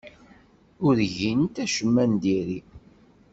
Ur gint acemma n diri.